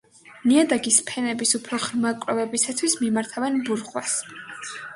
ნიადაგის ფენების უფრო ღრმა კვლევებისათვის მიმართავენ ბურღვას.